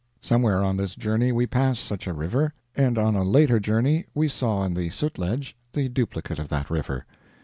Somewhere on this journey we passed such a river, and on a later journey we saw in the Sutlej the duplicate of that river.